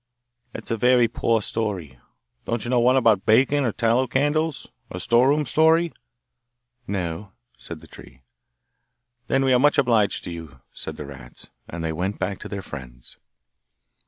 'That's a very poor story. Don't you know one about bacon or tallow candles? a storeroom story?' 'No,' said the tree. 'Then we are much obliged to you,' said the rats, and they went back to their friends.